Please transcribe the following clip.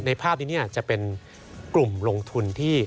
ภาพนี้จะเป็นกลุ่มลงทุนที่